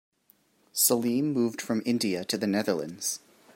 Salim moved from India to the Netherlands.